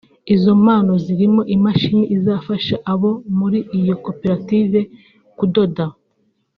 Izo mpano zirimo imashini izafasha abo muri iyo koperative kudoda